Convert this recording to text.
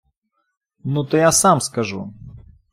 Ну, то я сам скажу!